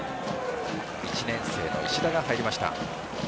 １年生の石田が入りました。